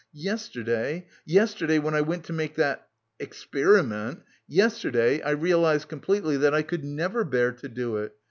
Yesterday, yesterday, when I went to make that... experiment, yesterday I realised completely that I could never bear to do it....